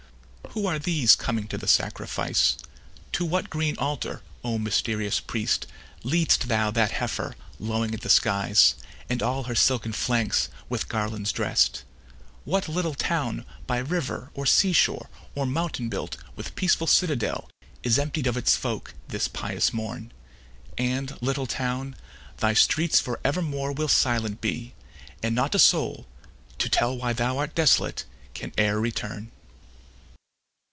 Who are these coming to the sacrifice? To what green altar, O mysterious priest, Lead'st thou that heifer lowing at the skies, And all her silken flanks with garlands drest? What little town by river or sea shore, Or mountain built with peaceful citadel, Is emptied of this folk, this pious morn? And, little town, thy streets for evermore Will silent be; and not a soul to tell Why thou art desolate, can e'er return.